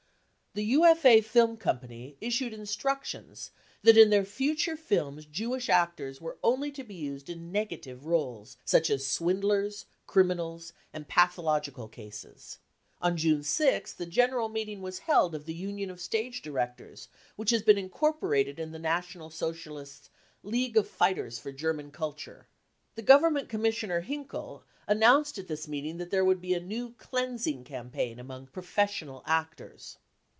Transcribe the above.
The UFA Film Company issued instructions that in their future films Jewish actors were only to be used in negative roles, such as swindlers, criminals and pathological cases. On June 6th a general meeting was held of the Union of Stage Directors, which has been incorporated in the National Socialist " League of Fighters for German Culture. 5 ' The Government Commissioner, Hinkel, an nounced at this meeting that there would be a new " clean sing 55 campaign among professional actors.